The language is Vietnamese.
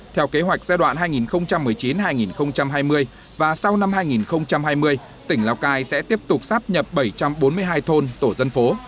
theo kế hoạch giai đoạn hai nghìn một mươi chín hai nghìn hai mươi và sau năm hai nghìn hai mươi tỉnh lào cai sẽ tiếp tục sắp nhập bảy trăm bốn mươi hai thôn tổ dân phố